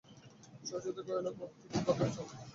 সুচরিতা কহিল, ভক্তি কি করলেই হল?